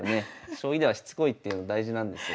将棋ではしつこいっていうの大事なんですよ。